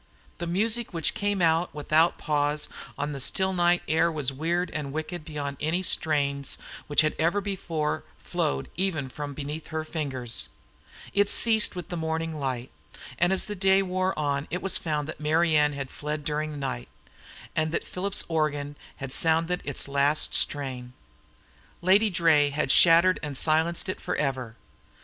The music which came out without pause on the still night air was weird and wicked beyond any strains which had ever before flowed even from beneath her fingers; it ceased with morning light; and as the day wore on it was found that Marian had fled during the night, and that Philip's organ had sounded its last strain Lady Draye had shattered and silenced it forever.